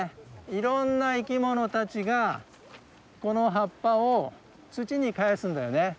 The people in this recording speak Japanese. いろんな生き物たちがこの葉っぱを土にかえすんだよね。